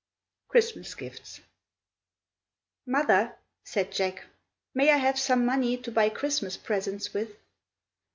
CHRISTMAS GIFTS "Mother," said Jack, "may I have some money to buy Christmas presents with?"